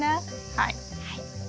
はい。